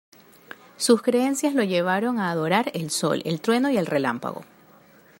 Sus creencias los llevaron a adorar el sol, el trueno y el relámpago.